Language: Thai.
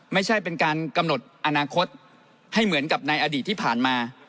ไม่ใช่เป็นการกำหนดอนาคตให้เหมือนกับในอดีตที่ผ่านมา